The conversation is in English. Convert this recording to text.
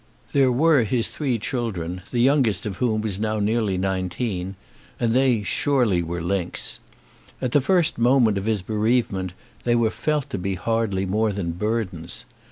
There were his three children, the youngest of whom was now nearly nineteen, and they surely were links! At the first moment of his bereavement they were felt to be hardly more than burdens.